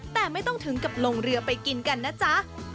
แต่ไม่ต้องถึงกับลงเรือไปกินกันนะจ๊ะ